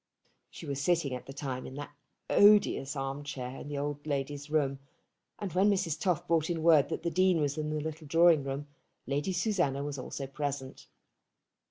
She was sitting at the time in that odious arm chair in the old lady's room; and when Mrs. Toff brought in word that the Dean was in the little drawing room, Lady Susanna was also present.